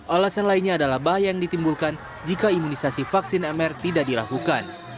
alasan lainnya adalah bahaya yang ditimbulkan jika imunisasi vaksin mr tidak dilakukan